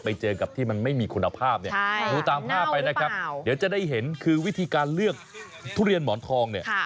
ไปเจอกับที่มันไม่มีคุณภาพเนี่ยดูตามภาพไปนะครับเดี๋ยวจะได้เห็นคือวิธีการเลือกทุเรียนหมอนทองเนี่ย